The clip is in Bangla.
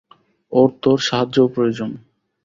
ওর তোর সাহায্যও প্রয়োজন।